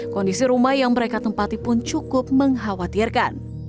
kondisi rumah yang mereka tempatipun cukup mengkhawatirkan